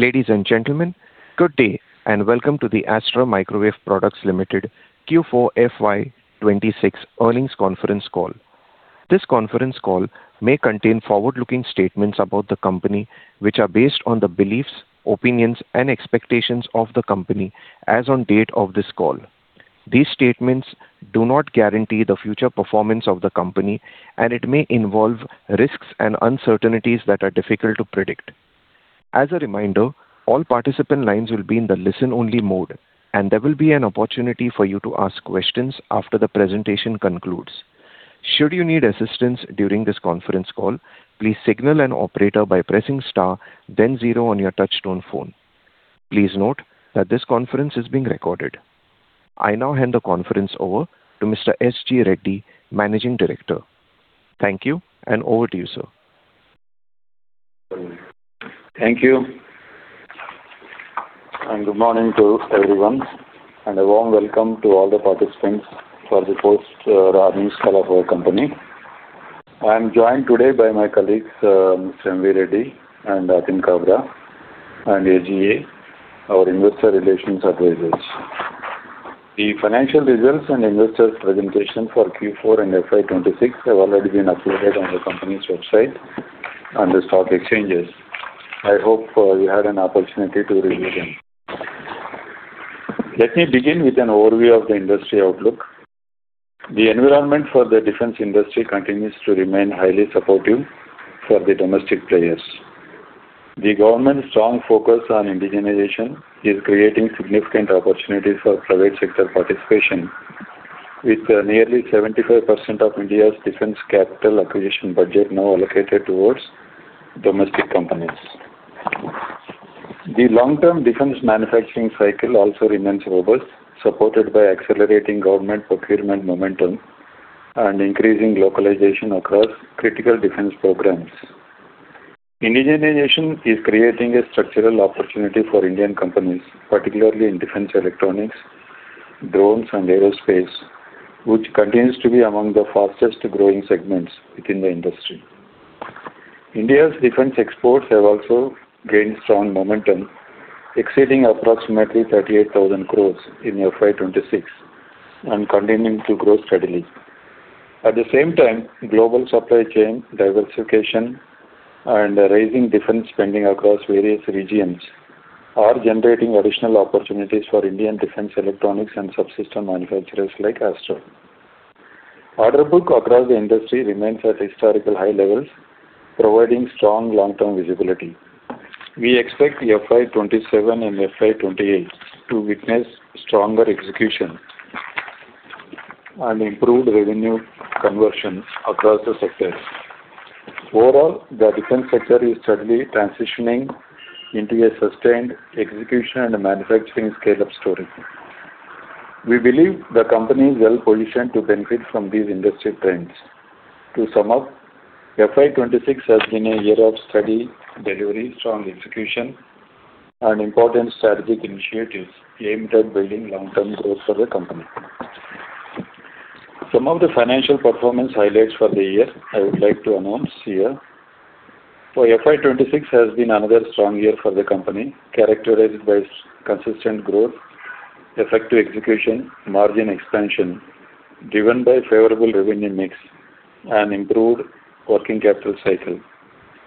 Ladies and gentlemen, good day and welcome to the Astra Microwave Products Limited Q4 FY 2026 earnings conference call. This conference call may contain forward-looking statements about the company, which are based on the beliefs, opinions, and expectations of the company as on date of this call. These statements do not guarantee the future performance of the company, and it may involve risks and uncertainties that are difficult to predict. As a reminder, all participant lines will be in the listen-only mode, and there will be an opportunity for you to ask questions after the presentation concludes. Should you need assistance during this conference call, please signal an operator by pressing star then zero on your touch-tone phone. Please note that this conference is being recorded. I now hand the conference over to Mr. S.G. Reddy, Managing Director. Thank you, and over to you, sir. Thank you. Good morning to everyone, and a warm welcome to all the participants for the post earnings call of our company. I'm joined today by my colleagues, Mr. M.V. Reddy and Atim Kabra, and SGA, our investor relations advisors. The financial results and investors' presentation for Q4 and FY 2026 have already been uploaded on the company's website and the stock exchanges. I hope you had an opportunity to review them. Let me begin with an overview of the industry outlook. The environment for the defense industry continues to remain highly supportive for the domestic players. The government's strong focus on indigenization is creating significant opportunities for private sector participation. With nearly 75% of India's defense capital acquisition budget now allocated towards domestic companies. The long-term defense manufacturing cycle also remains robust, supported by accelerating government procurement momentum and increasing localization across critical defense programs. Indigenization is creating a structural opportunity for Indian companies, particularly in defense electronics, drones, and aerospace, which continues to be among the fastest-growing segments within the industry. India's defense exports have also gained strong momentum, exceeding approximately 38,000 crore in FY 2026 and continuing to grow steadily. At the same time, global supply chain diversification and rising defense spending across various regions are generating additional opportunities for Indian defense electronics and subsystem manufacturers like Astra. Order book across the industry remains at historical high levels, providing strong long-term visibility. We expect FY 2027 and FY 2028 to witness stronger execution and improved revenue conversion across the sectors. Overall, the defense sector is steadily transitioning into a sustained execution and manufacturing scale-up story. We believe the company is well-positioned to benefit from these industry trends. To sum up, FY 2026 has been a year of steady delivery, strong execution, and important strategic initiatives aimed at building long-term growth for the company. Some of the financial performance highlights for the year I would like to announce here. FY 2026 has been another strong year for the company, characterized by consistent growth, effective execution, margin expansion driven by favorable revenue mix and improved working capital cycle,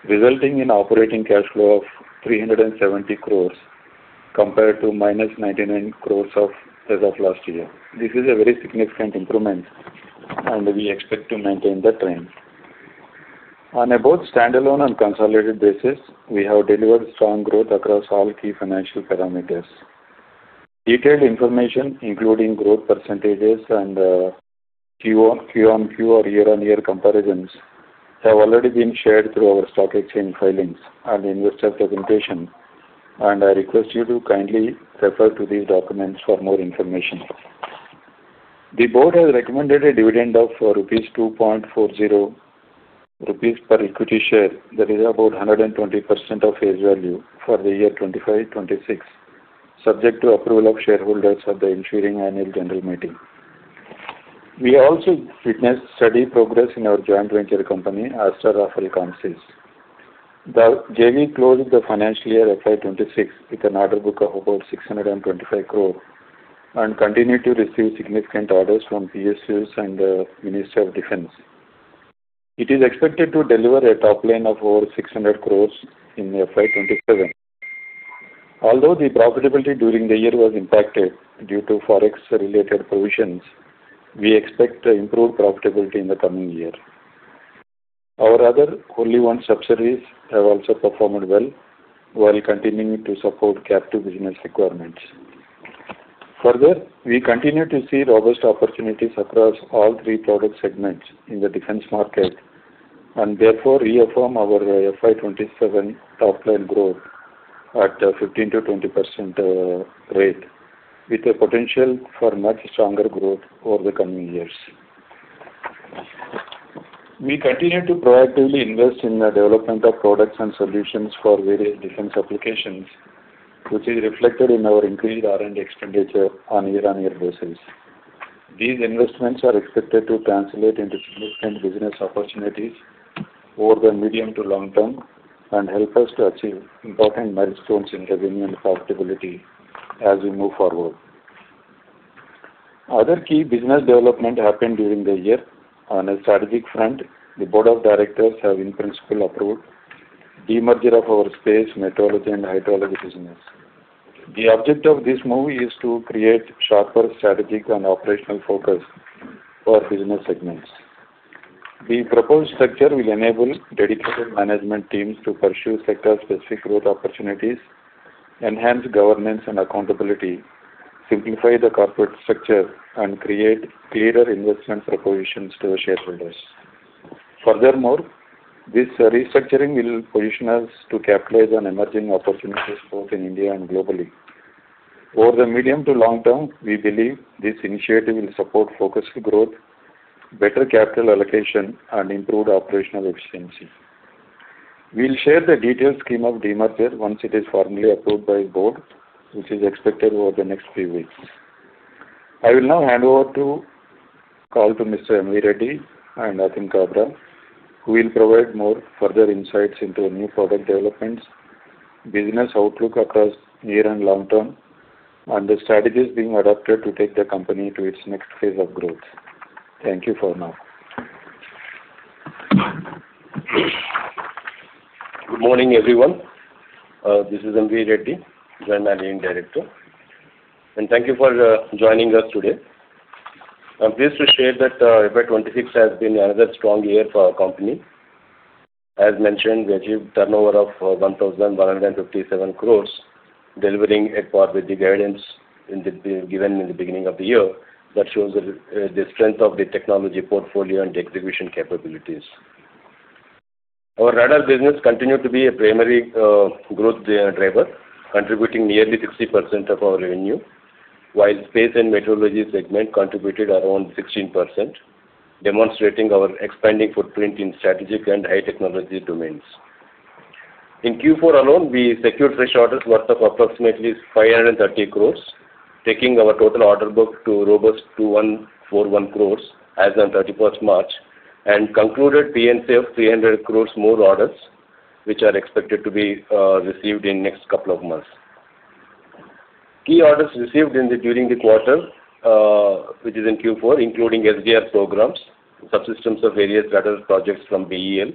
resulting in operating cash flow of 370 crore compared to -99 crore as of last year. This is a very significant improvement, and we expect to maintain the trend. On both standalone and consolidated basis, we have delivered strong growth across all key financial parameters. Detailed information, including growth % and QoQ or year-over-year comparisons, have already been shared through our stock exchange filings and investor presentation, and I request you to kindly refer to these documents for more information. The board has recommended a dividend of 2.40 rupees per equity share. That is about 120% of face value for the year 2025, 2026, subject to approval of shareholders at the ensuing annual general meeting. We also witnessed steady progress in our joint venture company, Astra Rafael Comsys. The JV closed the financial year FY 2026 with an order book of over 625 crore and continued to receive significant orders from PSUs and the Ministry of Defence. It is expected to deliver a top line of over 600 crores in FY 2027. Although the profitability during the year was impacted due to Forex-related provisions, we expect improved profitability in the coming year. Our other wholly owned subsidiaries have also performed well while continuing to support captive business requirements. We continue to see robust opportunities across all three product segments in the defense market and therefore reaffirm our FY 2027 top-line growth at 15%-20% rate, with a potential for much stronger growth over the coming years. We continue to proactively invest in the development of products and solutions for various defense applications, which is reflected in our increased R&D expenditure on year-on-year basis. These investments are expected to translate into significant business opportunities over the medium to long term and help us to achieve important milestones in revenue and profitability as we move forward. Other key business development happened during the year. On a strategic front, the board of directors have in principle approved demerger of our space, meteorology, and hydrology business. The object of this move is to create sharper strategic and operational focus for our business segments. The proposed structure will enable dedicated management teams to pursue sector-specific growth opportunities, enhance governance and accountability, simplify the corporate structure, and create clearer investment propositions to our shareholders. This restructuring will position us to capitalize on emerging opportunities both in India and globally. Over the medium to long term, we believe this initiative will support focused growth, better capital allocation, and improved operational efficiency. We'll share the detailed scheme of demerger once it is formally approved by Board, which is expected over the next few weeks. I will now hand over call to Mr. M.V. Reddy and Atim Kabra, who will provide further insights into new product developments, business outlook across near and long term, and the strategies being adopted to take the company to its next phase of growth. Thank you for now. Good morning, everyone. This is M.V. Reddy, Joint Managing Director. Thank you for joining us today. I'm pleased to share that FY 2026 has been another strong year for our company. As mentioned, we achieved turnover of 1,157 crores, delivering at par with the guidance given in the beginning of the year. That shows the strength of the technology portfolio and execution capabilities. Our radar business continued to be a primary growth driver, contributing nearly 60% of our revenue, while space and meteorology segment contributed around 16%, demonstrating our expanding footprint in strategic and high-technology domains. In Q4 alone, we secured fresh orders worth of approximately 530 crores, taking our total order book to a robust 2,141 crores as on 31st March, and concluded P&Cs of 300 crores more orders, which are expected to be received in next couple of months. Key orders received during the quarter, which is in Q4, including SDR programs, subsystems of various radar projects from BEL,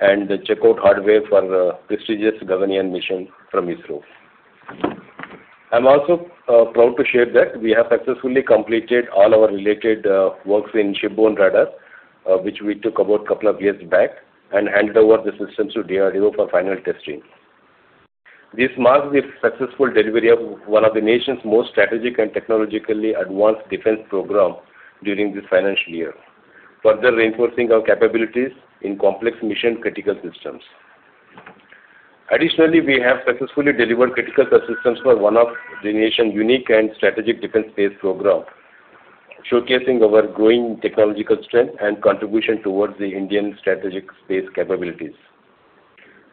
and the checkout hardware for prestigious Gaganyaan mission from ISRO. I'm also proud to share that we have successfully completed all our related works in Shipborne Radar, which we took about a couple of years back, and handed over the systems to DRDO for final testing. This marks the successful delivery of one of the nation's most strategic and technologically advanced defense programs during this financial year, further reinforcing our capabilities in complex mission-critical systems. Additionally, we have successfully delivered critical subsystems for one of the nation's unique and strategic defense space programs, showcasing our growing technological strength and contribution towards the Indian strategic space capabilities.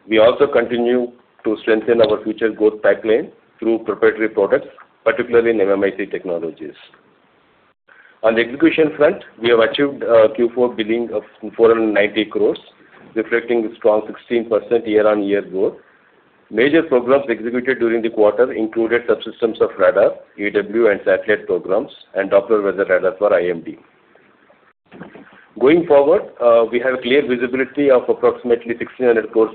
We also continue to strengthen our future growth pipeline through proprietary products, particularly in MMIC technologies. On the execution front, we have achieved Q4 billing of 490 crore, reflecting strong 16% year-on-year growth. Major programs executed during the quarter included subsystems of radar, EW, and satellite programs, and Doppler weather radar for IMD. Going forward, we have clear visibility of approximately 1,600 crore+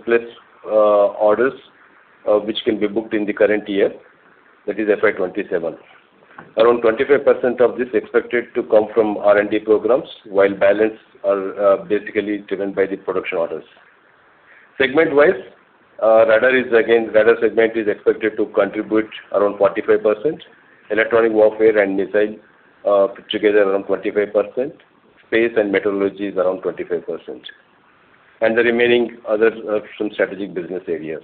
orders, which can be booked in the current year, that is FY 2027. Around 25% of this expected to come from R&D programs, while balance are basically driven by the production orders. Segment-wise, radar segment is expected to contribute around 45%, electronic warfare and missile put together around 25%, space and meteorology is around 25%, and the remaining others are some strategic business areas.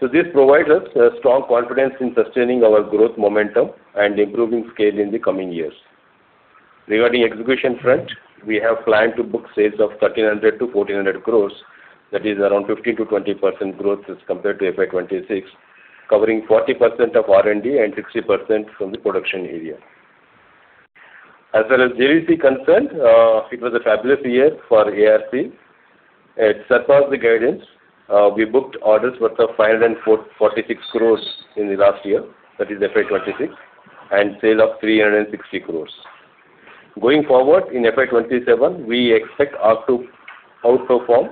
This provides us a strong confidence in sustaining our growth momentum and improving scale in the coming years. Regarding execution front, we have planned to book sales of 1,300 crore-1,400 crore. That is around 15%-20% growth as compared to FY 2026, covering 40% of R&D and 60% from the production area. As far as JVC concerned, it was a fabulous year for ARC. It surpassed the guidance. We booked orders worth of 546 crores in the last year, that is FY 2026, and sale of 360 crores. Going forward in FY 2027, we expect us to outperform,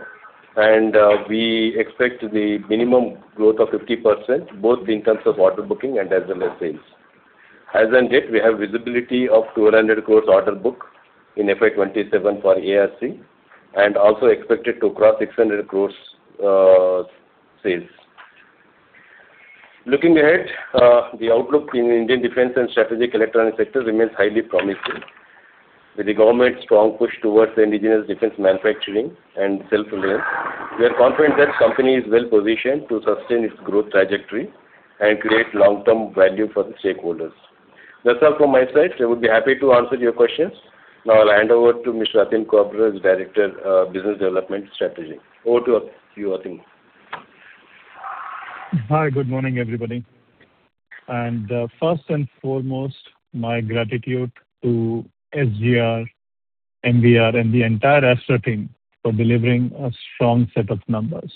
and we expect the minimum growth of 50%, both in terms of order booking and as well as sales. As on date, we have visibility of 200 crores order book in FY 2027 for ARC, and also expected to cross 600 crores sales. Looking ahead, the outlook in Indian defense and strategic electronic sector remains highly promising. With the government's strong push towards indigenous defense manufacturing and self-reliance, we are confident that company is well-positioned to sustain its growth trajectory and create long-term value for the stakeholders. That's all from my side. I would be happy to answer your questions. I'll hand over to Mr. Atim Kabra, who's Director, Business Development and Strategy. Over to you, Atim. Hi, good morning, everybody. First and foremost, my gratitude to SGR, MVR, and the entire Astra team for delivering a strong set of numbers.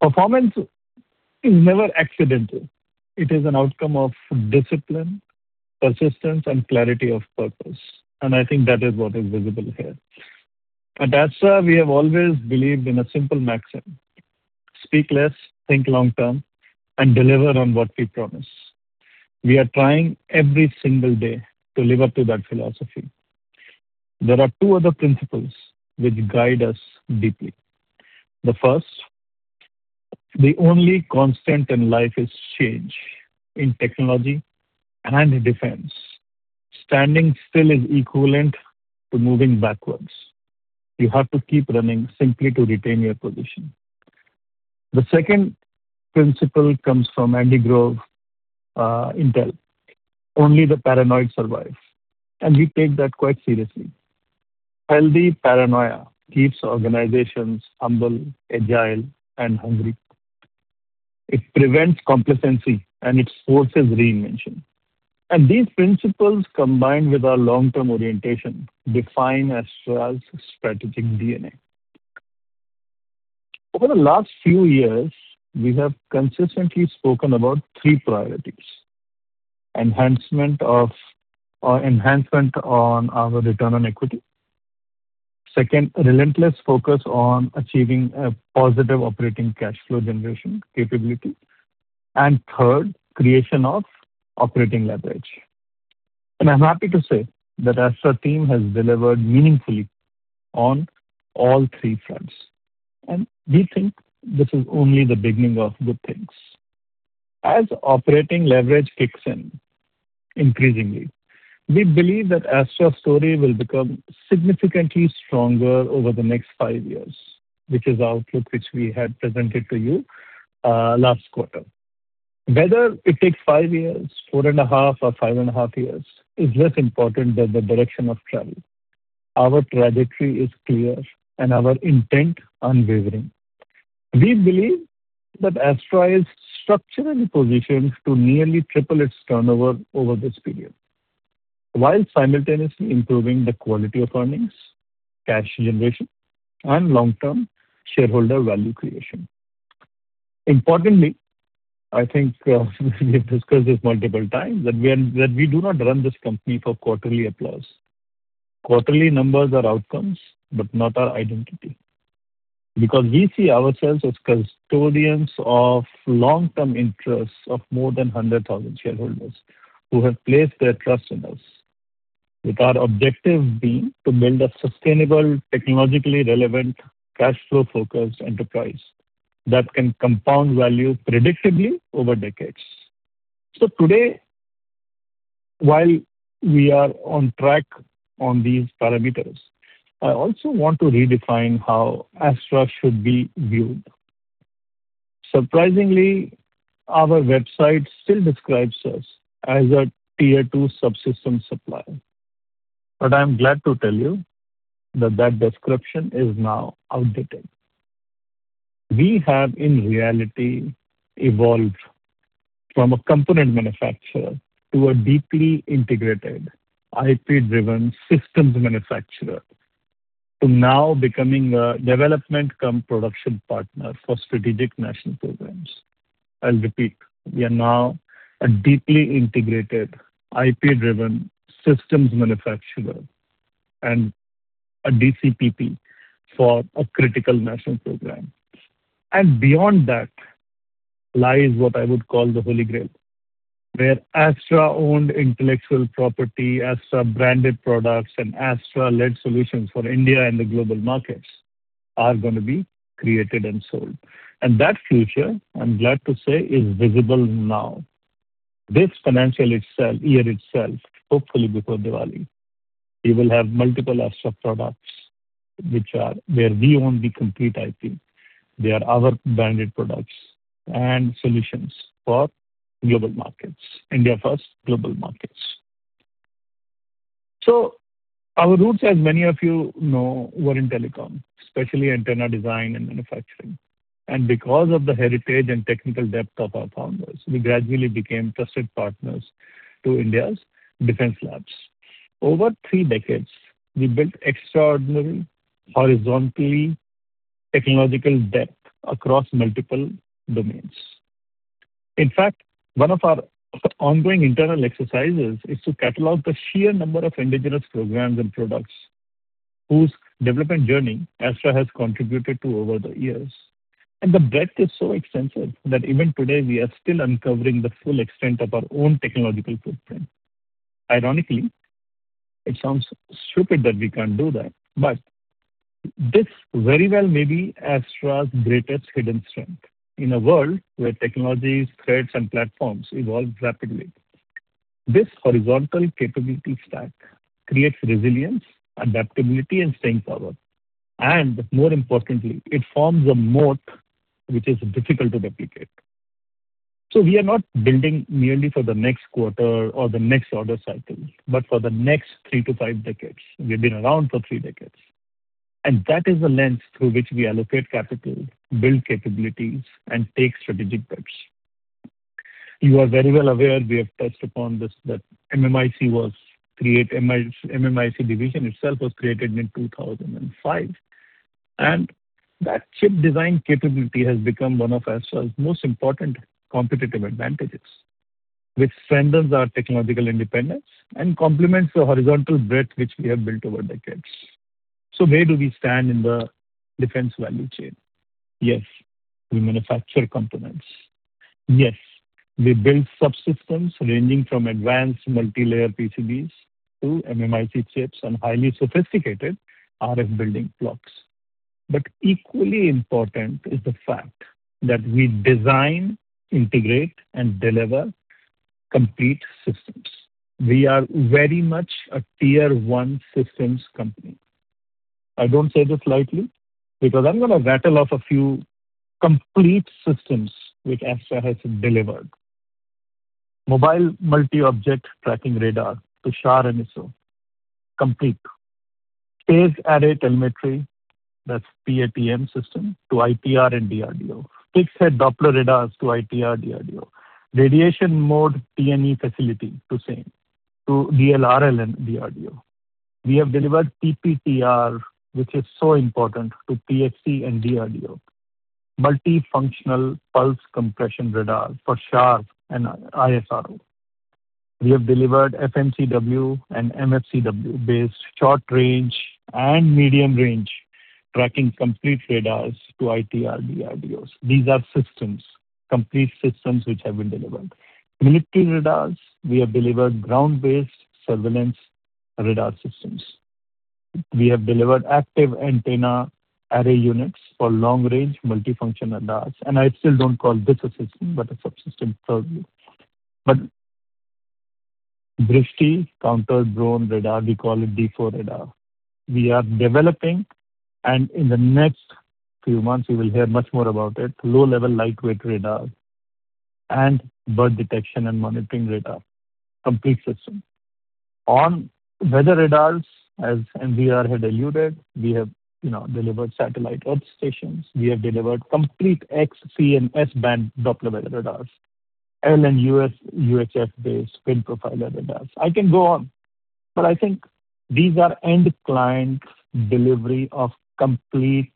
Performance is never accidental. It is an outcome of discipline, persistence, and clarity of purpose, and I think that is what is visible here. At Astra, we have always believed in a simple maxim: speak less, think long term, and deliver on what we promise. We are trying every single day to live up to that philosophy. There are two other principles which guide us deeply. The first, the only constant in life is change in technology and defense. Standing still is equivalent to moving backwards. You have to keep running simply to retain your position. The second principle comes from Andy Grove, Intel. Only the paranoid survive, and we take that quite seriously. Healthy paranoia keeps organizations humble, agile, and hungry. It prevents complacency, it forces reinvention. These principles, combined with our long-term orientation, define Astra's strategic DNA. Over the last few years, we have consistently spoken about three priorities. Enhancement on our return on equity. Second, relentless focus on achieving a positive operating cash flow generation capability. Third, creation of operating leverage. I'm happy to say that Astra team has delivered meaningfully on all three fronts, and we think this is only the beginning of good things. As operating leverage kicks in increasingly, we believe that Astra's story will become significantly stronger over the next five years, which is the outlook which we had presented to you last quarter. Whether it takes five years, four and a half or five and a half years is less important than the direction of travel. Our trajectory is clear and our intent unwavering. We believe that Astra is structurally positioned to nearly triple its turnover over this period while simultaneously improving the quality of earnings, cash generation, and long-term shareholder value creation. Importantly, I think we have discussed this multiple times, that we do not run this company for quarterly applause. Quarterly numbers are outcomes, but not our identity. We see ourselves as custodians of long-term interests of more than 100,000 shareholders who have placed their trust in us, with our objective being to build a sustainable, technologically relevant, cash flow-focused enterprise that can compound value predictably over decades. Today, while we are on track on these parameters, I also want to redefine how Astra should be viewed. Surprisingly, our website still describes us as a Tier 2 subsystem supplier. I'm glad to tell you that that description is now outdated. We have, in reality, evolved from a component manufacturer to a deeply integrated, IP-driven systems manufacturer to now becoming a development cum production partner for strategic national programs. I'll repeat. We are now a deeply integrated, IP-driven systems manufacturer and a DcPP for a critical national program. Beyond that lies what I would call the Holy Grail, where Astra-owned intellectual property, Astra-branded products, and Astra-led solutions for India and the global markets are going to be created and sold. That future, I'm glad to say, is visible now. This financial year itself, hopefully before Diwali, we will have multiple Astra products where we own the complete IP. They are our branded products and solutions for global markets. India first, global markets. Our roots, as many of you know, were in telecom, especially antenna design and manufacturing. Because of the heritage and technical depth of our founders, we gradually became trusted partners to India's defense labs. Over three decades, we built extraordinary horizontal technological depth across multiple domains. In fact, one of our ongoing internal exercises is to catalog the sheer number of indigenous programs and products whose development journey Astra has contributed to over the years. The breadth is so extensive that even today, we are still uncovering the full extent of our own technological footprint. Ironically, it sounds stupid that we can do that, but this very well may be Astra's greatest hidden strength. In a world where technologies, trades, and platforms evolve rapidly, this horizontal capability stack creates resilience, adaptability, and staying power. More importantly, it forms a moat which is difficult to replicate. We are not building merely for the next quarter or the next order cycle, but for the next three to five decades. We've been around for three decades, and that is the lens through which we allocate capital, build capabilities, and take strategic bets. You are very well aware we have touched upon this, that MMIC division itself was created in 2005, and that chip design capability has become one of Astra's most important competitive advantages, which strengthens our technological independence and complements the horizontal breadth which we have built over decades. Where do we stand in the defense value chain? Yes, we manufacture components. Yes, we build subsystems ranging from advanced multi-layer PCBs to MMIC chips and highly sophisticated RF building blocks. Equally important is the fact that we design, integrate, and deliver complete systems We are very much a tier-one systems company. I don't say this lightly because I'm going to rattle off a few complete systems which Astra has delivered. Mobile multi-object tracking radar to SHAR and ISRO, complete. Phase array telemetry, that's PATM system to ITR and DRDO. Fixed head Doppler radars to ITR, DRDO. Radiation mode T&E facility to same, to DLRL and DRDO. We have delivered TPTR, which is so important to PXE and DRDO. Multifunctional pulse compression radar for SHAR and ISRO. We have delivered FMCW and MFCW-based short-range and medium-range tracking complete radars to ITR, DRDO. These are systems, complete systems which have been delivered. Military radars, we have delivered ground-based surveillance radar systems. We have delivered Active Antenna Array Units for long-range multifunction radars, and I still don't call this a system, but a subsystem probably. DRISHTI counter-drone radar, we call it D4 radar. We are developing, and in the next few months, you will hear much more about it, low-level lightweight radar and bird detection and monitoring radar, complete system. On weather radars, as MVR had alluded, we have delivered satellite earth stations. We have delivered complete X, C, and S-band Doppler weather radars, L- and UHF-based wind profiler radars. I can go on, but I think these are end-client delivery of complete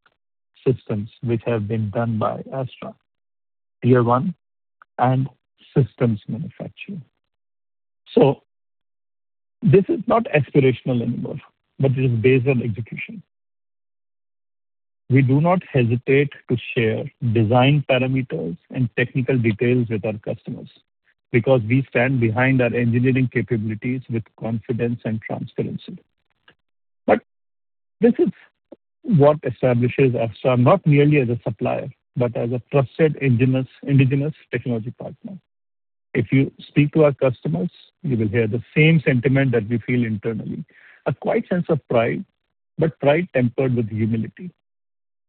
systems which have been done by Astra. Tier 1 and systems manufacturing. This is not aspirational anymore, but it is based on execution. We do not hesitate to share design parameters and technical details with our customers because we stand behind our engineering capabilities with confidence and transparency. This is what establishes Astra, not merely as a supplier, but as a trusted indigenous technology partner. If you speak to our customers, you will hear the same sentiment that we feel internally. A quiet sense of pride, but pride tempered with humility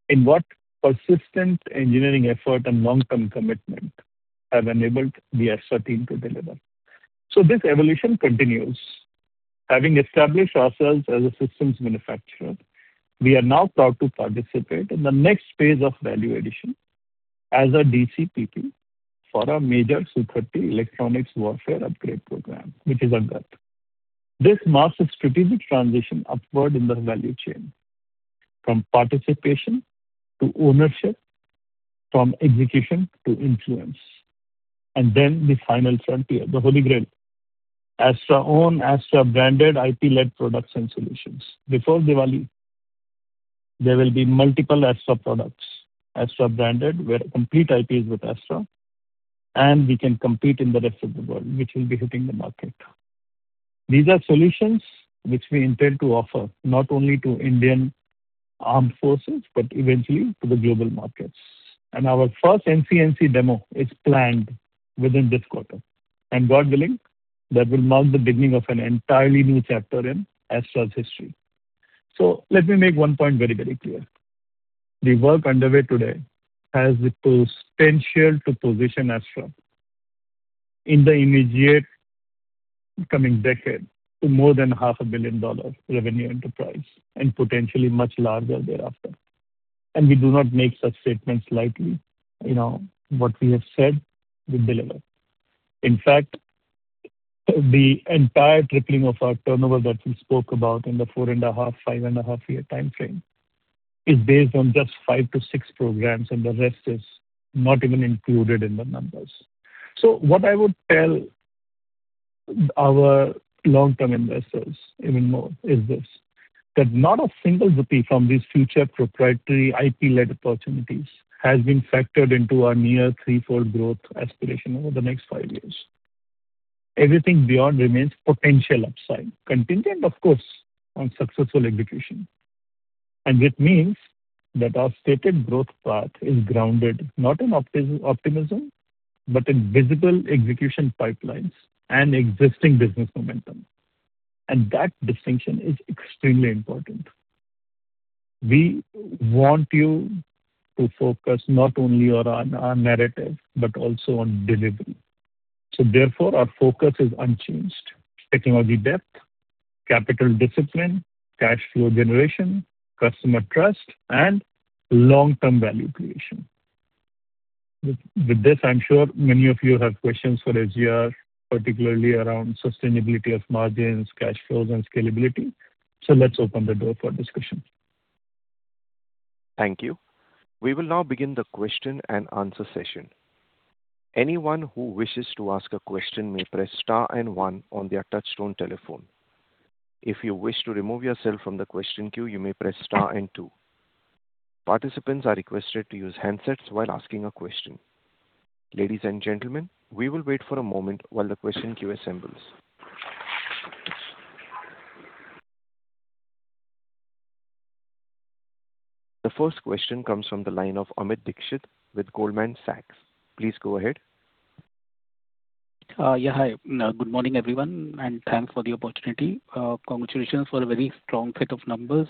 in what persistent engineering effort and long-term commitment have enabled the Astra team to deliver. This evolution continues. Having established ourselves as a systems manufacturer, we are now proud to participate in the next phase of value addition as a DCPP for a major Su-30 electronics warfare upgrade program, which is Angad. This marks a strategic transition upward in the value chain from participation to ownership, from execution to influence. The final frontier, the Holy Grail, Astra-owned, Astra-branded IP-led products and solutions. Before Diwali, there will be multiple Astra products, Astra-branded, where complete IP is with Astra, and we can compete in the rest of the world, which will be hitting the market. These are solutions which we intend to offer not only to Indian armed forces, but eventually to the global markets. Our first MMIC demo is planned within this quarter. God willing, that will mark the beginning of an entirely new chapter in Astra's history. Let me make one point very clear. The work underway today has the potential to position Astra in the immediate coming decade to more than half a billion-dollar revenue enterprise and potentially much larger thereafter. We do not make such statements lightly. What we have said, we deliver. In fact, the entire tripling of our turnover that we spoke about in the 4.5, 5.5 year timeframe is based on just five to six programs, and the rest is not even included in the numbers. What I would tell our long-term investors even more is this, that not a single rupee from these future proprietary IP-led opportunities has been factored into our near three-fold growth aspiration over the next five years. Everything beyond remains potential upside, contingent, of course, on successful execution. It means that our stated growth path is grounded not in optimism, but in visible execution pipelines and existing business momentum. That distinction is extremely important. We want you to focus not only on our narrative, but also on delivery. Therefore, our focus is unchanged. Technology depth, capital discipline, cash flow generation, customer trust, and long-term value creation. With this, I'm sure many of you have questions for SGR, particularly around sustainability of margins, cash flows and scalability. Let's open the door for discussion. Thank you. We will now begin the question and answer session. The first question comes from the line of Amit Dixit with Goldman Sachs. Please go ahead. Yeah. Hi. Good morning, everyone, and thanks for the opportunity. Congratulations for a very strong set of numbers,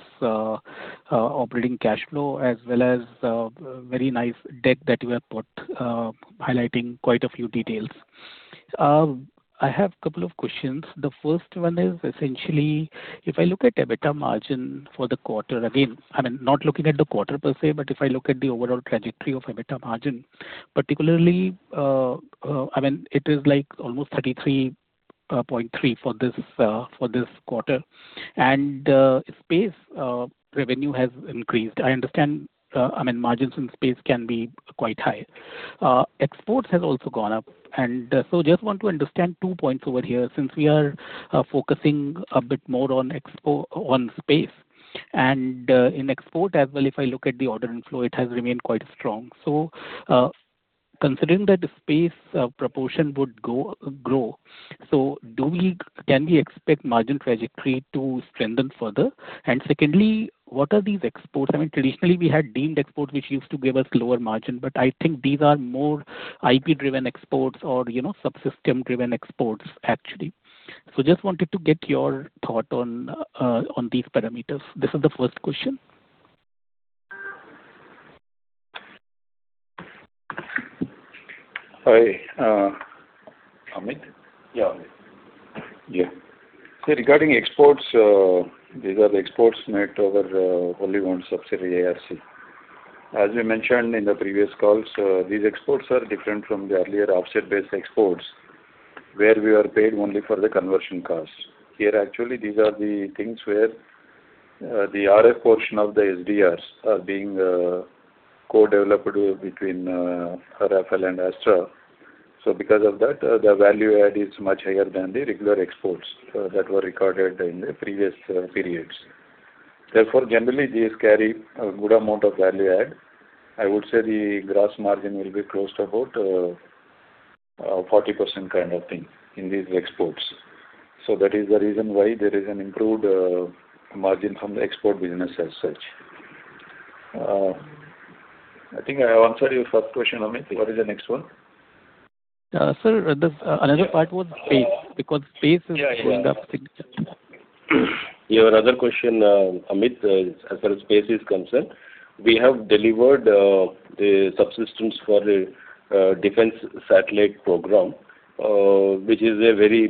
operating cash flow, as well as very nice debt that you have put, highlighting quite a few details. I have couple of questions. The first one is, essentially, if I look at EBITDA margin for the quarter, again, I'm not looking at the quarter per se, but if I look at the overall trajectory of EBITDA margin, particularly, it is almost 33.3% for this quarter. Space revenue has increased. I understand margins in space can be quite high. Exports has also gone up. Just want to understand two points over here, since we are focusing a bit more on space. In export as well, if I look at the order inflow, it has remained quite strong. Considering that the space proportion would grow, can we expect margin trajectory to strengthen further? Secondly, what are these exports? Traditionally, we had deemed export, which used to give us lower margin, but I think these are more IP-driven exports or subsystem-driven exports, actually. Just wanted to get your thought on these parameters. This is the first question. Hi. Amit? Yeah. Regarding exports, these are the exports made over only one subsidiary, ARC. As we mentioned in the previous calls, these exports are different from the earlier offset-based exports, where we were paid only for the conversion costs. Here, actually, these are the things where the RF portion of the SDRs are being co-developed between Rafael and Astra. Because of that, the value add is much higher than the regular exports that were recorded in the previous periods. Generally, these carry a good amount of value add. I would say the gross margin will be close to about 40% kind of thing in these exports. That is the reason why there is an improved margin from the export business as such. I think I have answered your first question, Amit. What is the next one? Sir, another part was space, because space is going up. Your other question, Amit, as far as space is concerned, we have delivered the subsystems for the Defense Satellite Program, which is a very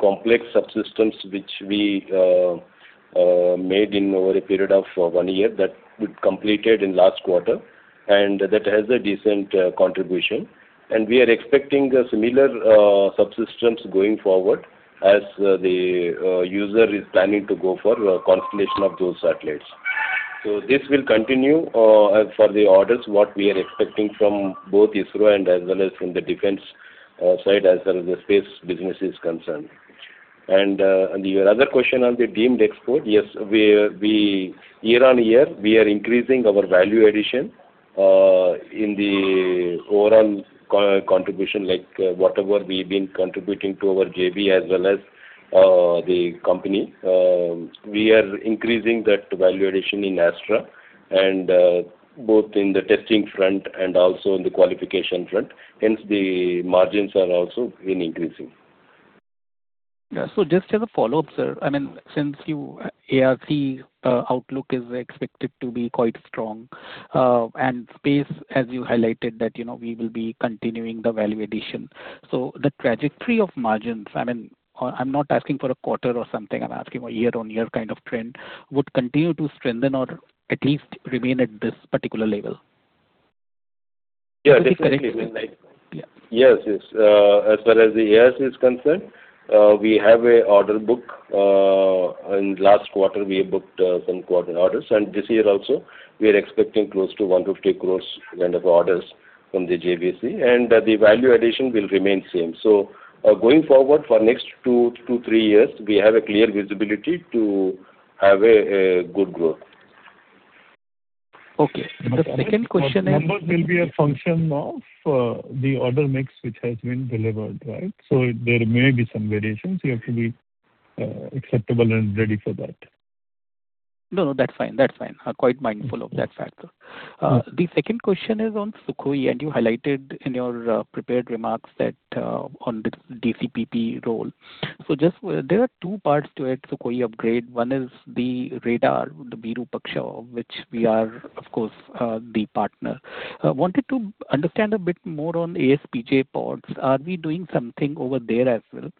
complex subsystems, which we made in over a period of one year, that we've completed in last quarter, that has a decent contribution. We are expecting similar subsystems going forward as the user is planning to go for a constellation of those satellites. This will continue for the orders, what we are expecting from both ISRO and as well as from the defense side as far as the space business is concerned. Your other question on the deemed export, yes, year-over-year, we are increasing our value addition in the overall contribution, like whatever we've been contributing to our JV as well as the company. We are increasing that value addition in Astra, and both in the testing front and also in the qualification front, hence the margins are also been increasing. Just as a follow-up, sir. Since ARC outlook is expected to be quite strong, and space, as you highlighted that we will be continuing the value addition. The trajectory of margins, I'm not asking for a quarter or something, I'm asking a year-on-year kind of trend, would continue to strengthen or at least remain at this particular level? Yeah, definitely. Yes. As far as the ARC is concerned, we have an order book. In last quarter, we booked some quarter orders. This year also, we are expecting close to 150 crore kind of orders from the JVC. The value addition will remain same. Going forward for next two to three years, we have a clear visibility to have a good growth. Okay. Numbers will be a function of the order mix which has been delivered, right? There may be some variations. You have to be acceptable and ready for that. No, that's fine. Quite mindful of that factor. The second question is on Sukhoi. You highlighted in your prepared remarks that on the DcPP role. There are two parts to it, Sukhoi upgrade. One is the radar, the Virupaksha, which we are, of course, the partner. Wanted to understand a bit more on ASPJ pods. Are we doing something over there as well?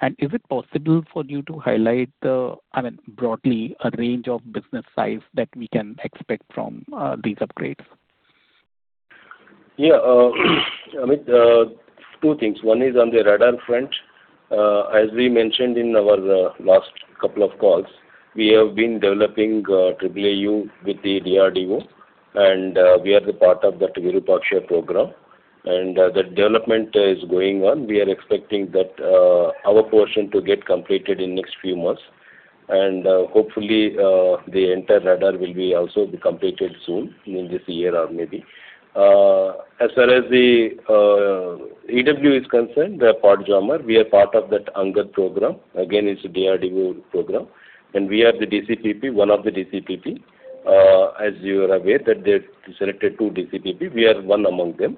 Is it possible for you to highlight, I mean, broadly, a range of business size that we can expect from these upgrades? Amit, two things. One is on the radar front. As we mentioned in our last couple of calls, we have been developing AAAU with the DRDO. We are the part of that Virupaksha program. That development is going on. We are expecting our portion to get completed in next few months. Hopefully, the entire radar will also be completed soon, in this year or maybe. As far as the EW is concerned, the pod jammer, we are part of that ANGER program. Again, it's a DRDO program. We are the DcPP, one of the DcPP. As you are aware, that they've selected two DcPP, we are one among them.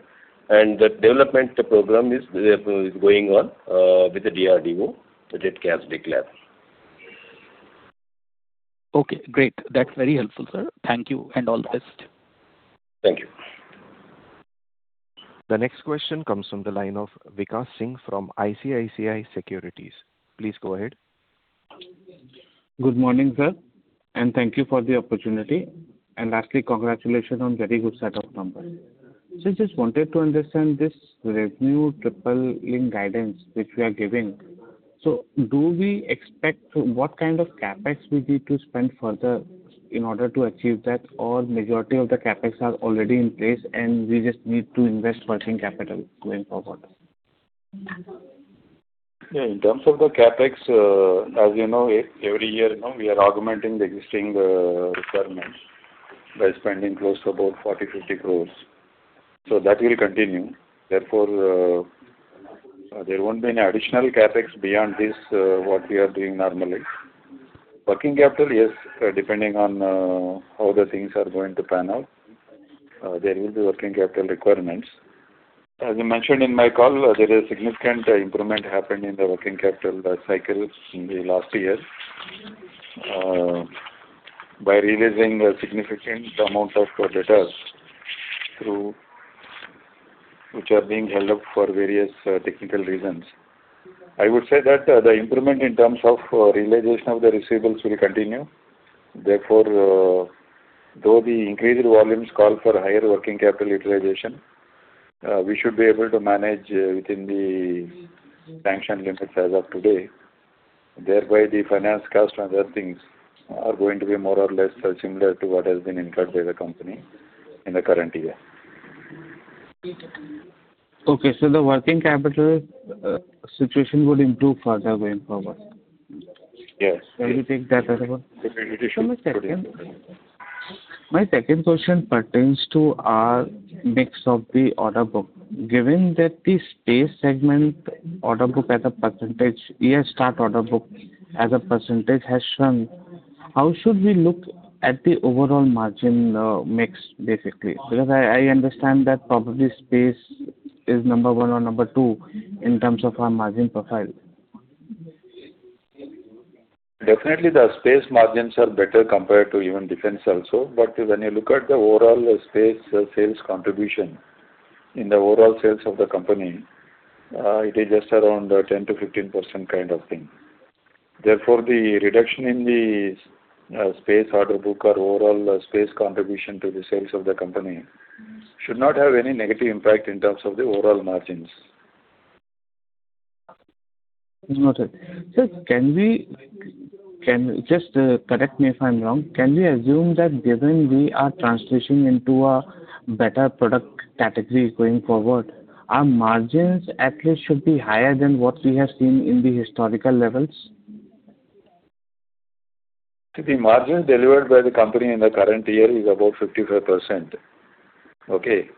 That development program is going on with the DRDO, that it can be declared. Okay, great. That's very helpful, sir. Thank you, and all the best. Thank you. The next question comes from the line of Vikas Singh from ICICI Securities. Please go ahead. Good morning, sir. Thank you for the opportunity. Lastly, congratulations on very good set of numbers. Just wanted to understand this revenue tripling guidance which we are giving. What kind of CapEx we need to spend further in order to achieve that? Majority of the CapEx are already in place, and we just need to invest working capital going forward? In terms of the CapEx, as you know, every year we are augmenting the existing requirements by spending close to about 40 crore, 50 crores. That will continue. Therefore, there won't be any additional CapEx beyond this, what we are doing normally. Working capital, yes, depending on how the things are going to pan out, there will be working capital requirements. As I mentioned in my call, there is significant improvement happened in the working capital cycle in the last year, by releasing a significant amount of debtors, which are being held up for various technical reasons. I would say that the improvement in terms of realization of the receivables will continue. Though the increased volumes call for higher working capital utilization, we should be able to manage within the sanctioned limits as of today. Thereby, the finance cost and other things are going to be more or less similar to what has been incurred by the company in the current year. Okay. The working capital situation would improve further going forward? Yes. My second question pertains to our mix of the order book. Given that the space segment order book as a percentage, year start order book as a percentage, has shrunk, how should we look at the overall margin mix, basically? I understand that probably space is number one or number two in terms of our margin profile. Definitely, the space margins are better compared to even defense also. When you look at the overall space sales contribution in the overall sales of the company, it is just around 10%-15% kind of thing. The reduction in the space order book or overall space contribution to the sales of the company should not have any negative impact in terms of the overall margins. Noted. Sir, just correct me if I'm wrong. Can we assume that given we are transitioning into a better product category going forward, our margins at least should be higher than what we have seen in the historical levels? The margin delivered by the company in the current year is about 55%. Okay?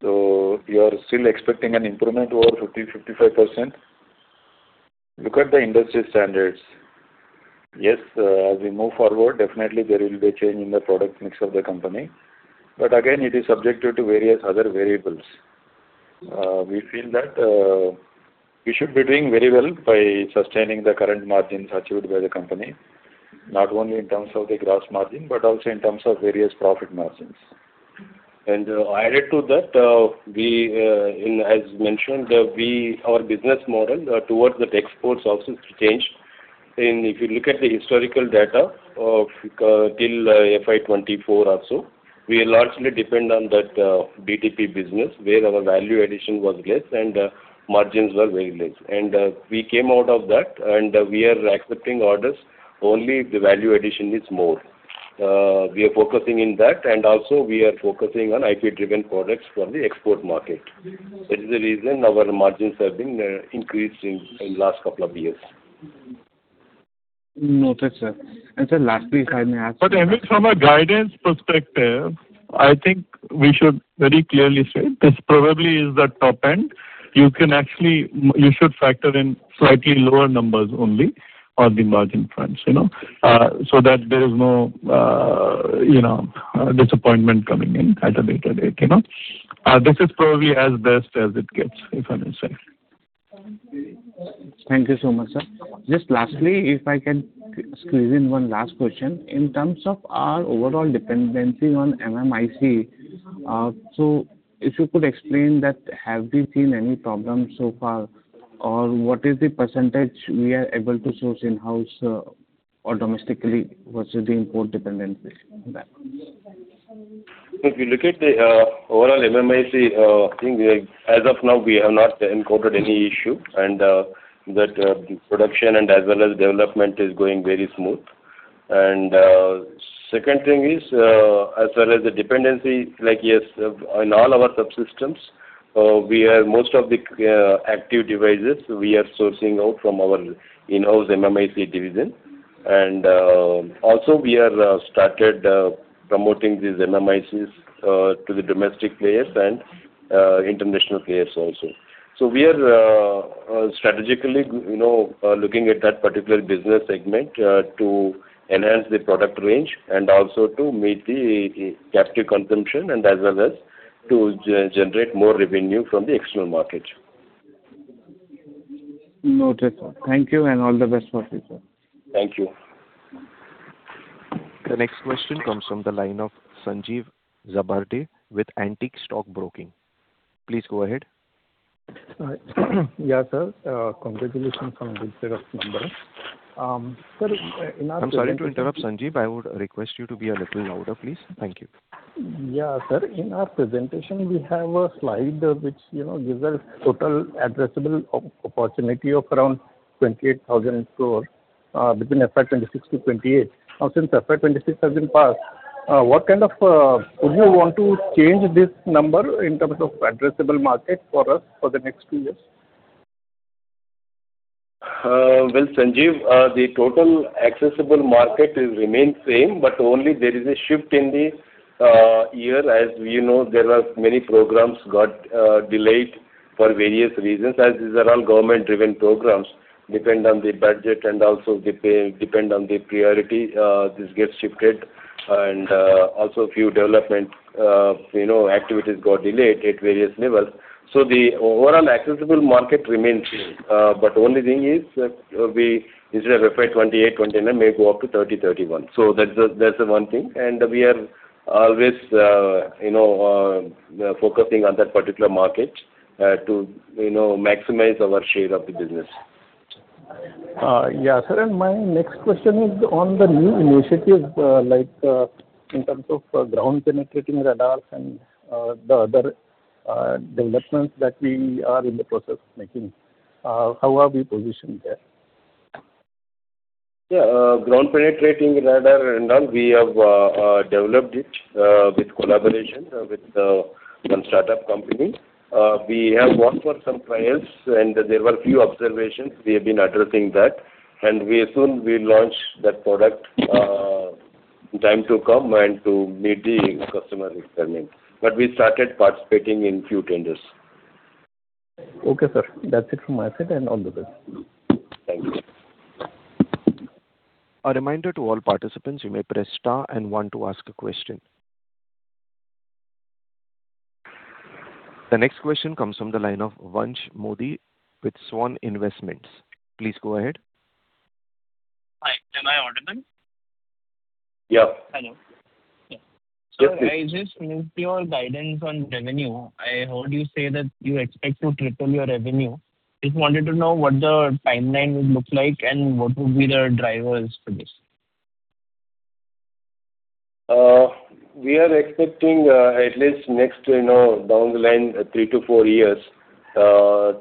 You are still expecting an improvement over 50%, 55%? Look at the industry standards. Yes, as we move forward, definitely there will be a change in the product mix of the company. Again, it is subjected to various other variables. We feel that we should be doing very well by sustaining the current margins achieved by the company, not only in terms of the gross margin, but also in terms of various profit margins. Added to that, as mentioned, our business model towards the exports also changed. If you look at the historical data till FY 2024 also, we largely depend on that BTP business, where our value addition was less and margins were very less. We came out of that, and we are accepting orders only if the value addition is more. We are focusing in that, and also we are focusing on IP-driven products from the export market. That is the reason our margins have been increased in last couple of years. Noted, sir. Sir, lastly, if I may ask? Amit, from a guidance perspective, I think we should very clearly say this probably is the top end. You should factor in slightly lower numbers only on the margin fronts, so that there is no disappointment coming in at a later date. This is probably as best as it gets, if I may say. Thank you so much, sir. Just lastly, if I can squeeze in one last question. In terms of our overall dependency on MMIC, if you could explain that, have we seen any problems so far? What is the percentage we are able to source in-house or domestically versus the import dependency? If you look at the overall MMIC thing, as of now, we have not encountered any issue, and that the production as well as development is going very smooth. Second thing is, as well as the dependency, yes, in all our subsystems, most of the active devices we are sourcing out from our in-house MMIC division. Also, we have started promoting these MMICs to the domestic players and international players also. We are strategically looking at that particular business segment to enhance the product range and also to meet the captive consumption and as well as to generate more revenue from the external market. Noted. Thank you, and all the best for you, sir. Thank you. The next question comes from the line of Sanjeev Zarbade with Antique Stock Broking. Please go ahead. Yes, sir. Congratulations on the good set of numbers. Sir, I'm sorry to interrupt, Sanjeev. I would request you to be a little louder, please. Thank you. Sir, in our presentation, we have a slide which gives us total addressable opportunity of around 28,000 crores between FY 2026 to FY 2028. Since FY 2026 has been passed, would you want to change this number in terms of addressable market for us for the next two years? Sanjeev, the total accessible market remains same, but only there is a shift in the year. As we know, there are many programs got delayed for various reasons. As these are all government-driven programs, depend on the budget and also depend on the priority, this gets shifted. Also a few development activities got delayed at various levels. The overall accessible market remains same. Only thing is that we, instead of FY 2028, FY 2029 may go up to FY 2030, FY 2031. That's the one thing. We are always focusing on that particular market to maximize our share of the business. Yeah. Sir, my next question is on the new initiatives, like in terms of ground-penetrating radars and the other developments that we are in the process of making. How are we positioned there? Yeah. Ground-penetrating radar and all, we have developed it with collaboration with one startup company. We have won for some trials, and there were a few observations. We have been addressing that, and we soon will launch that product in time to come and to meet the customer requirement. We started participating in a few tenders. Okay, sir. That's it from my side, and all the best. Thank you. A reminder to all participants, you may press star and one to ask a question. The next question comes from the line of Vansh Modi with Swan Investments. Please go ahead. Hi. Am I audible? Yeah. Hello. Yeah. Yes, please. Sir, I just went through your guidance on revenue. I heard you say that you expect to triple your revenue. Just wanted to know what the timeline would look like and what would be the drivers for this? We are expecting at least next, down the line, three to four years to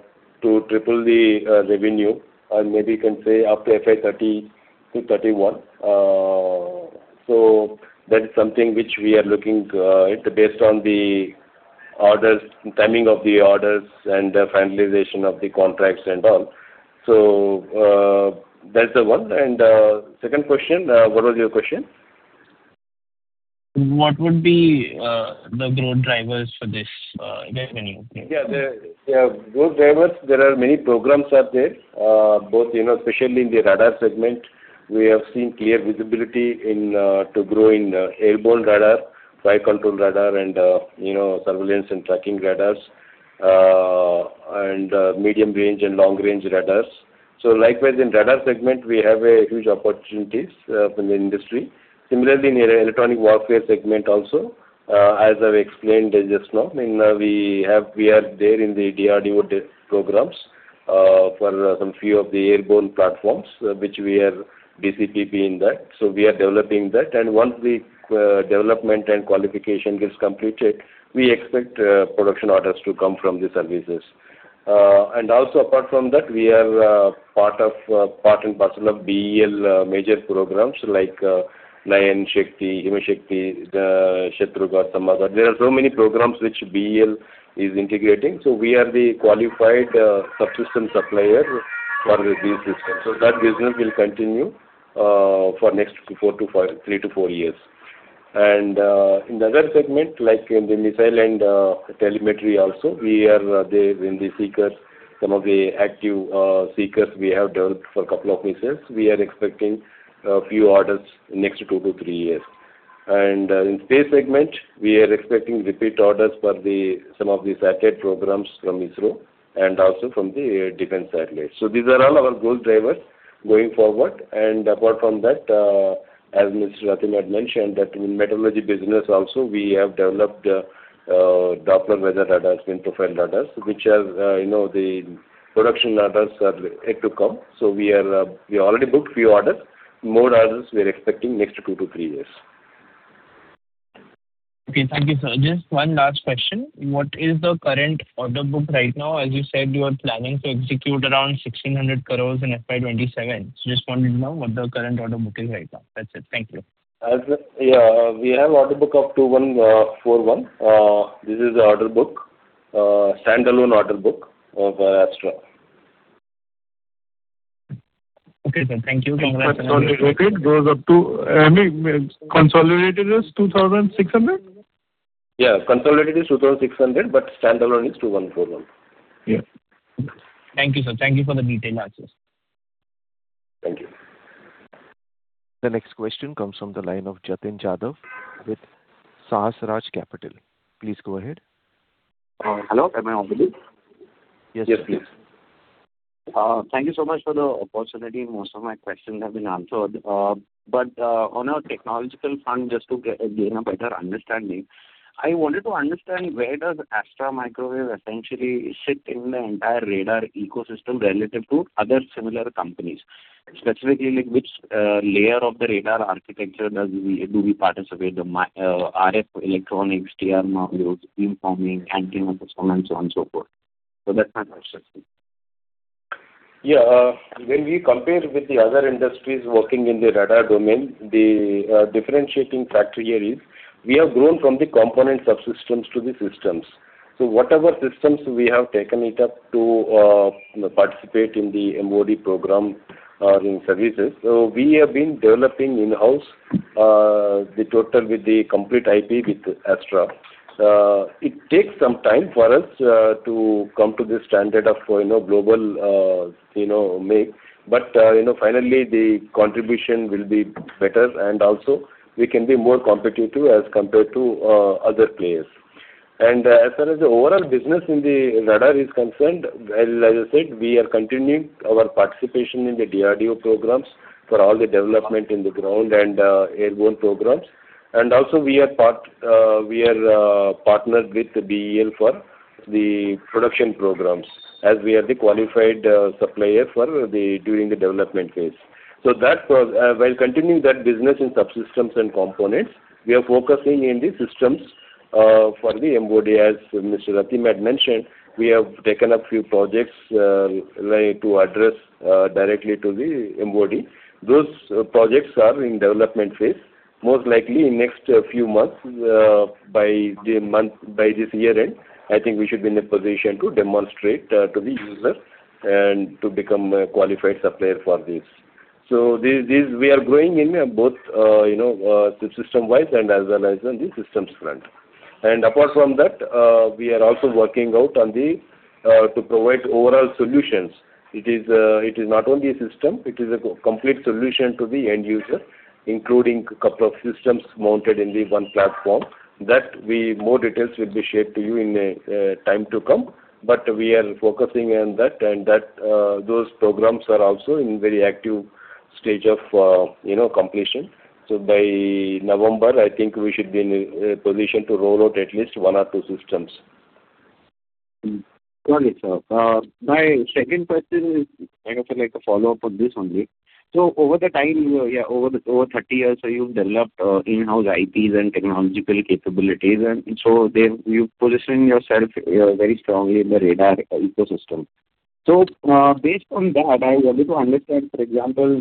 triple the revenue, or maybe you can say up to FY 2030 and FY 2031. That is something which we are looking into based on the timing of the orders and the finalization of the contracts and all. Second question, what was your question? What would be the growth drivers for this revenue thing? Yeah. The growth drivers, there are many programs are there. Both especially in the radar segment, we have seen clear visibility to grow in airborne radar, fire control radar, and surveillance and tracking radars, and medium-range and long-range radars. Likewise, in radar segment, we have huge opportunities from the industry. Similarly, in the electronic warfare segment also, as I've explained just now, we are there in the DRDO programs for some few of the airborne platforms, which we are DcPP in that. We are developing that. Once the development and qualification gets completed, we expect production orders to come from the services. Also, apart from that, we are part and parcel of BEL major programs like Nayan Shakti, Himshakti, Shatrughat, Samaghat. There are so many programs which BEL is integrating. We are the qualified subsystem supplier for the B system. That business will continue for next three to four years. In the other segment, like in the missile and telemetry also, in the seekers, some of the active seekers we have developed for a couple of missiles. We are expecting a few orders in next two to three years. In space segment, we are expecting repeat orders for some of the satellite programs from ISRO and also from the Defense Satellites. These are all our growth drivers going forward. Apart from that, as Mr. Atim Kabra had mentioned, that in meteorology business also, we have developed Doppler weather radars, wind profiler radars, which the production orders are yet to come. We already booked few orders. More orders we are expecting next two to three years. Okay. Thank you, sir. Just one last question. What is the current order book right now? As you said, you are planning to execute around 1,600 crores in FY 2027. Just wanted to know what the current order book is right now. That's it. Thank you. As of now, we have order book of 2,141. This is the standalone order book of Astra. Okay, sir. Thank you. Congratulations. Sorry to interrupt you. Consolidated is 2,600? Yeah. Consolidated is 2,600, standalone is 2,141. Yeah. Thank you, sir. Thank you for the detailed answers. Thank you. The next question comes from the line of Jatin Jadhav with Sahasrar Capital. Please go ahead. Hello, am I audible? Yes, please. Thank you so much for the opportunity. Most of my questions have been answered. On a technological front, just to gain a better understanding, I wanted to understand where does Astra Microwave essentially sit in the entire radar ecosystem relative to other similar companies. Specifically, which layer of the radar architecture do we participate, the RF electronics, T/R modules, beamforming, antenna system, and so on, so forth. That's my question. Yeah. When we compare with the other industries working in the radar domain, the differentiating factor here is we have grown from the component subsystems to the systems. Whatever systems we have taken it up to participate in the MoD program or in services, we have been developing in-house the total with the complete IP with Astra. It takes some time for us to come to the standard of global make, but finally, the contribution will be better, and also we can be more competitive as compared to other players. As far as the overall business in the radar is concerned, well, as I said, we are continuing our participation in the DRDO programs for all the development in the ground and airborne programs. Also, we are partnered with BEL for the production programs as we are the qualified supplier during the development phase. While continuing that business in subsystems and components, we are focusing in the systems for the MoD. As Mr. Atim had mentioned, we have taken up few projects to address directly to the MoD. Those projects are in development phase. Most likely in next few months, by this year end, I think we should be in a position to demonstrate to the user and to become a qualified supplier for these. We are growing in both subsystem-wise and as well as in the systems front. Apart from that, we are also working out to provide overall solutions. It is not only a system, it is a complete solution to the end user, including a couple of systems mounted in the one platform. More details will be shared to you in time to come. We are focusing on that, and those programs are also in very active stage of completion. By November, I think we should be in a position to roll out at least one or two systems. Got it, sir. My second question is like a follow-up of this only. Over 30 years, you've developed in-house IPs and technological capabilities, you've positioned yourself very strongly in the radar ecosystem. Based on that, I wanted to understand, for example,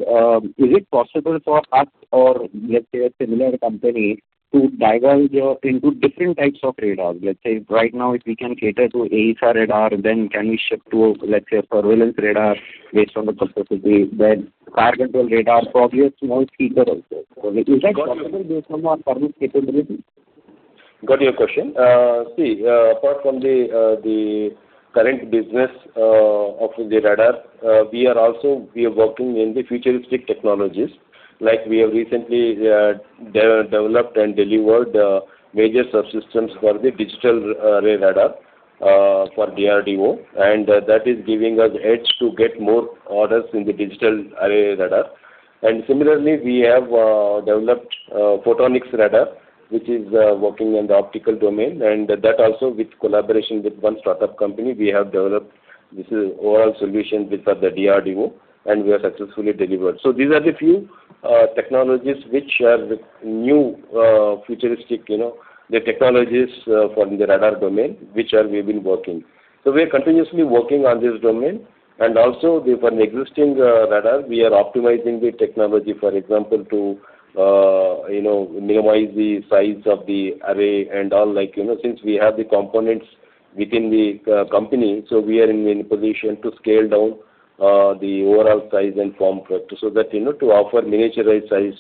is it possible for us or let's say a similar company to diverge into different types of radars? Let's say right now if we can cater to AESA radar, then can we shift to, let's say, a surveillance radar based on the possibility, then fire control radar, probably a small seeker also. Is that possible based on our current capability? Got your question. See, apart from the current business of the radar, we are working in the futuristic technologies. We have recently developed and delivered major subsystems for the digital array radar for DRDO, and that is giving us edge to get more orders in the digital array radar. Similarly, we have developed photonic radar, which is working in the optical domain, and that also with collaboration with one startup company, we have developed this overall solution with the DRDO, and we have successfully delivered. These are the few technologies which are the new futuristic technologies from the radar domain, which we have been working. We are continuously working on this domain. Also, for an existing radar, we are optimizing the technology, for example, to minimize the size of the array and all. Since we have the components within the company, we are in a position to scale down the overall size and form factor so that to offer miniaturized size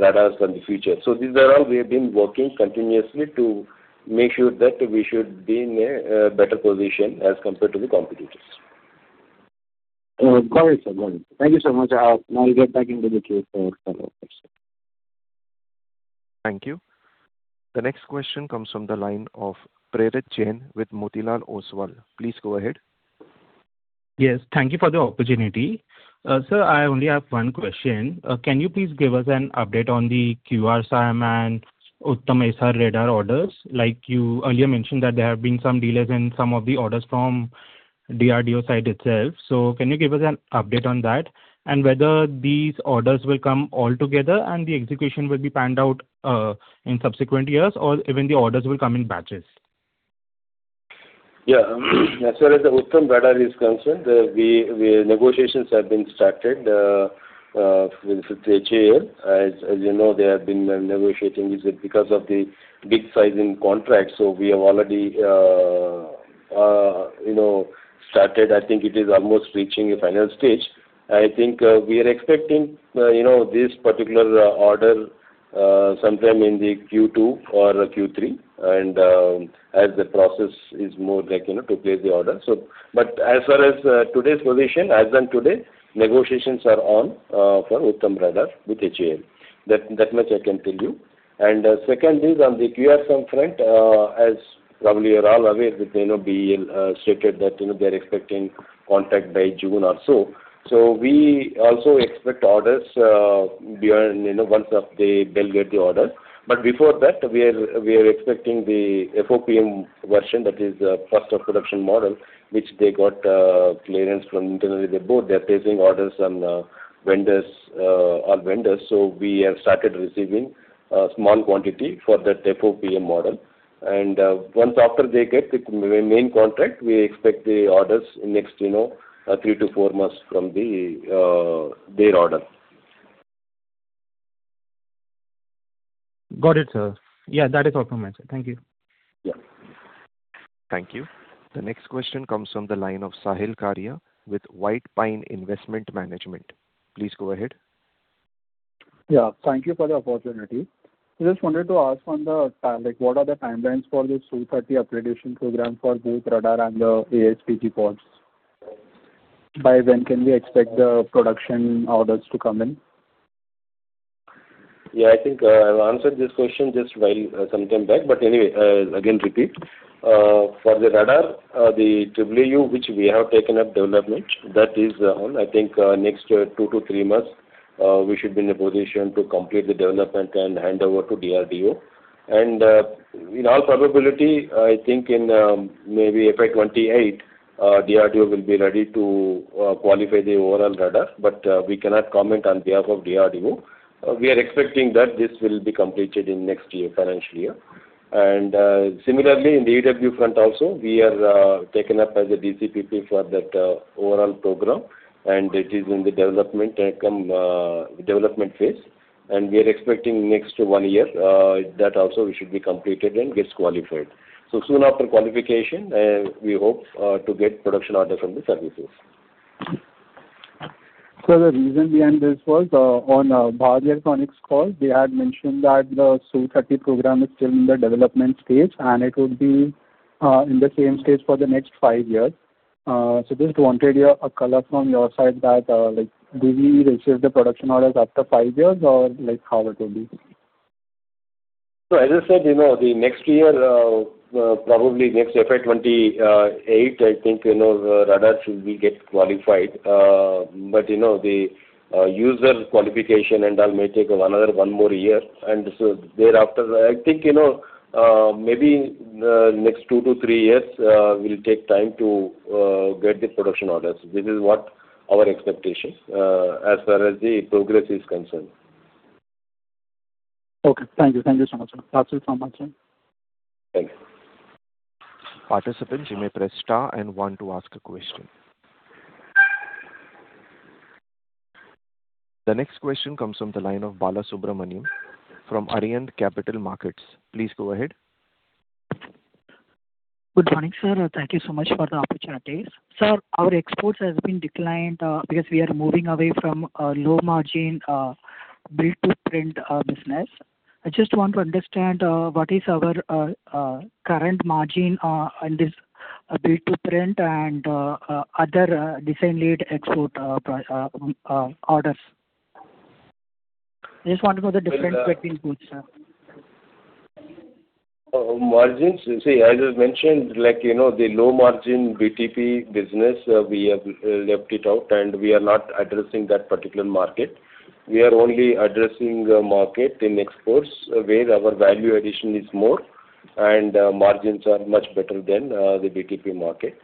radars in the future. These are all we have been working continuously to make sure that we should be in a better position as compared to the competitors. Got it, sir. Got it. Thank you so much. I will get back into the queue for follow-up questions. Thank you. The next question comes from the line of Prerit Jain with Motilal Oswal. Please go ahead. Yes. Thank you for the opportunity. Sir, I only have one question. Can you please give us an update on the QRSAM and Uttam AESA radar orders? Like you earlier mentioned that there have been some delays in some of the orders from DRDO side itself. Can you give us an update on that, and whether these orders will come all together and the execution will be panned out in subsequent years, or even the orders will come in batches? As far as the Uttam radar is concerned, the negotiations have been started with HAL. As you know, they have been negotiating. Because of the big size in contracts, we have already started, I think it is almost reaching a final stage. We are expecting this particular order sometime in the Q2 or Q3. As the process is more to place the order. As far as today's position, as on today, negotiations are on for Uttam radar with HAL. That much I can tell you. Second is, on the QRSAM front, as probably you're all aware that BEL stated that they are expecting contract by June or so. We also expect orders once they will get the order. Before that, we are expecting the FOPM version, that is first off production model, which they got clearance from internally the board. They are placing orders on vendors, we have started receiving a small quantity for that FOPM model. Once after they get the main contract, we expect the orders in next three to four months from their order. Got it, sir. Yeah, that is all from my side. Thank you. Yeah. Thank you. The next question comes from the line of Sahil Karia with White Pine Investment Management. Please go ahead. Yeah. Thank you for the opportunity. I just wanted to ask, what are the timelines for the Su-30 upgradation program for both radar and the ASPJ pods? By when can we expect the production orders to come in? Yeah, I think I answered this question just while sometime back, but anyway, I'll again repeat. For the radar, the [EW which we have taken up development, that is on. I think next two to three months, we should be in a position to complete the development and hand over to DRDO. In all probability, I think in maybe FY 2028, DRDO will be ready to qualify the overall radar, but we cannot comment on behalf of DRDO. We are expecting that this will be completed in next financial year. Similarly, in the EW front also, we are taken up as a DcPP for that overall program, and it is in the development phase. We are expecting next one year, that also we should be completed and gets qualified. Soon after qualification, we hope to get production order from the services. Sir, the reason behind this was on Bharat earnings call, they had mentioned that the Su-30 program is still in the development stage, and it would be in the same stage for the next five years. Just wanted a color from your side that do we receive the production orders after five years, or how it will be? As I said, the next year, probably next FY 2028, I think, the radar should be get qualified. The user qualification and all may take another one more year. Thereafter, I think, maybe next two to three years will take time to get the production orders. This is what our expectations, as far as the progress is concerned. Okay. Thank you. Thank you so much. That's it from my side. Thank you. The next question comes from the line of Bala Subramaniam from Arihant Capital Markets. Please go ahead. Good morning, sir. Thank you so much for the opportunity. Sir, our exports has been declined because we are moving away from low margin build-to-print business. I just want to understand what is our current margin on this build-to-print and other design lead export orders. Just want to know the difference between both, sir. Margins, see, as I mentioned, the low margin BTP business, we have left it out, and we are not addressing that particular market. We are only addressing market in exports where our value addition is more, and margins are much better than the BTP market.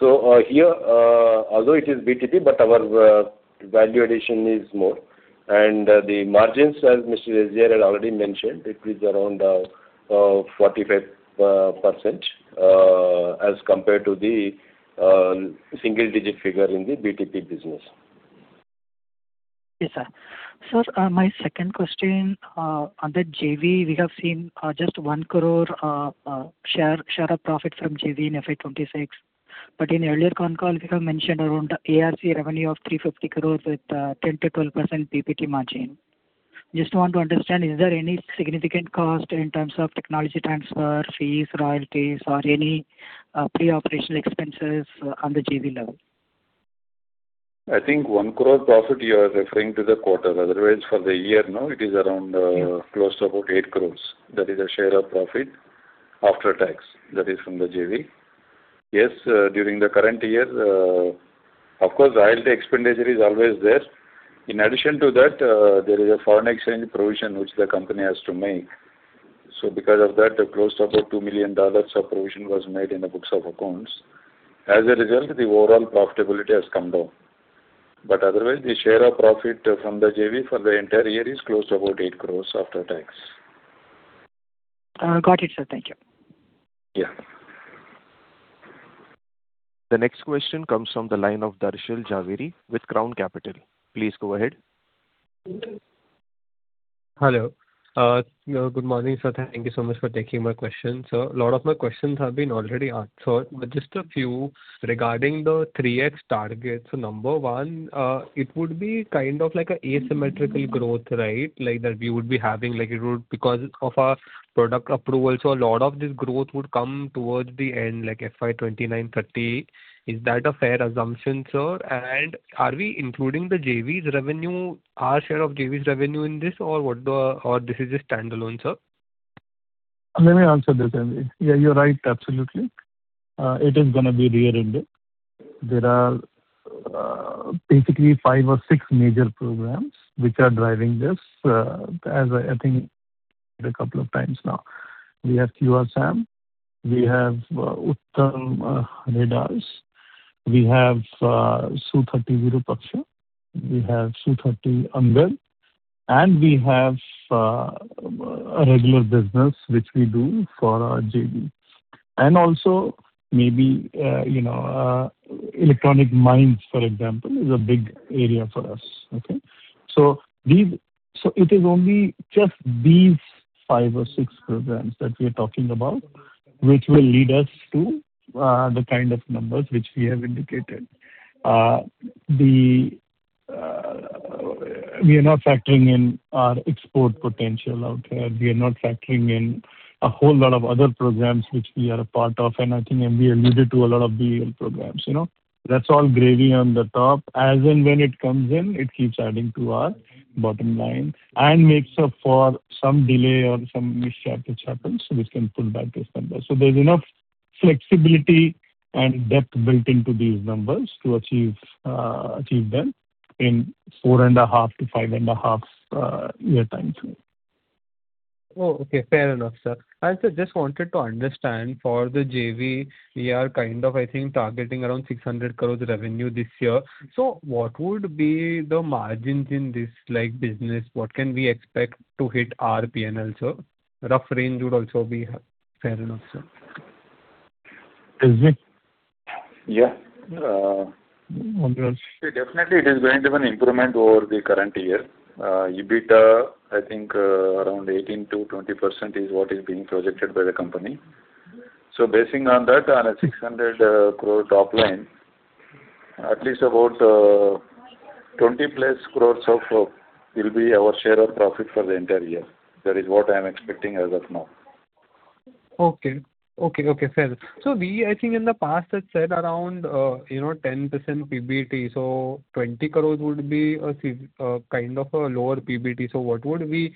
Here, although it is BTP, but our value addition is more. The margins, as Mr. M.V had already mentioned, it is around 45% as compared to the single-digit figure in the BTP business. Yes, sir. Sir, my second question on the JV, we have seen just 1 crore share of profit from JV in FY 2026. In earlier con calls, you have mentioned around ARC revenue of 350 crore with 10%-12% PBT margin. Just want to understand, is there any significant cost in terms of technology transfer, fees, royalties, or any pre-operational expenses on the JV level? I think 1 crore profit you are referring to the quarter. Otherwise, for the year, no, it is around close to about 8 crores. That is a share of profit after tax. That is from the JV. Yes, during the current year, of course, royalty expenditure is always there. In addition to that, there is a foreign exchange provision which the company has to make. Because of that, close to about $2 million of provision was made in the books of accounts. As a result, the overall profitability has come down. Otherwise, the share of profit from the JV for the entire year is close to about 8 crores after tax. Got it, sir. Thank you. Yeah. The next question comes from the line of Darshil Jhaveri with Crown Capital. Please go ahead. Hello. Good morning, sir. Thank you so much for taking my question. Sir, a lot of my questions have been already answered, but just a few regarding the 3X target. Number 1, it would be kind of like an asymmetrical growth, right? That we would be having, because of our product approval. A lot of this growth would come towards the end, like FY 2029, 2030. Is that a fair assumption, sir? Are we including our share of JV's revenue in this or this is a standalone, sir? Let me answer this. Yeah, you're right, absolutely. It is going to be layered. There are basically five or six major programs which are driving this, as I think I said a couple of times now. We have QRSAM, we have Uttam radars, we have Su-30 Virupaksha, we have Su-30 Angad, and we have a regular business which we do for our JV. Also maybe electronic mines, for example, is a big area for us. Okay. It is only just these five or six programs that we're talking about, which will lead us to the kind of numbers which we have indicated. We are not factoring in our export potential out there. We are not factoring in a whole lot of other programs which we are a part of. We alluded to a lot of the programs. That's all gravy on the top. As and when it comes in, it keeps adding to our bottom line and makes up for some delay or some mishap which happens, which can pull back this number. There's enough flexibility and depth built into these numbers to achieve them in four and a half to five and a half year time frame. Oh, okay. Fair enough, sir. Sir, just wanted to understand for the JV, we are kind of, I think, targeting around 600 crore revenue this year. What would be the margins in this business? What can we expect to hit our P&L, sir? Rough range would also be fair enough, sir. Yeah. One minute. Definitely it is going to be an improvement over the current year. EBITDA, I think around 18%-20% is what is being projected by the company. Basing on that, on an 600 crore top line, at least about 20+ crore will be our share of profit for the entire year. That is what I am expecting as of now. Okay. Fair enough. We, I think in the past had said around 10% PBT, 20 crore would be a kind of a lower PBT.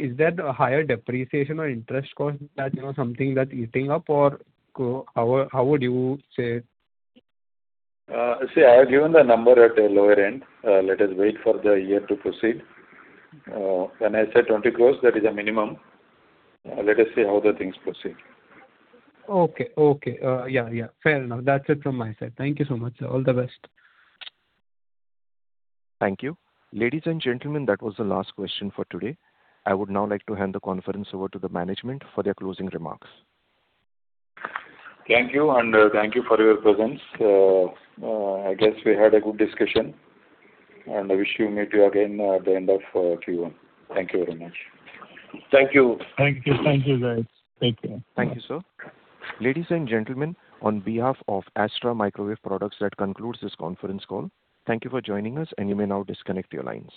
Is that a higher depreciation or interest cost that, something that eating up or how would you say it? See, I have given the number at a lower end. Let us wait for the year to proceed. When I say 20 crores, that is a minimum. Let us see how the things proceed. Okay. Yeah. Fair enough. That's it from my side. Thank you so much, sir. All the best. Thank you. Ladies and gentlemen, that was the last question for today. I would now like to hand the conference over to the management for their closing remarks. Thank you, thank you for your presence. I guess we had a good discussion, I wish we meet again at the end of Q1. Thank you very much. Thank you. Thank you. Thank you, guys. Take care. Thank you, sir. Ladies and gentlemen, on behalf of Astra Microwave Products, that concludes this conference call. Thank you for joining us, and you may now disconnect your lines.